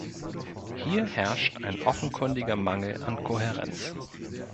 Hier herrscht ein offenkundiger Mangel an Kohärenz.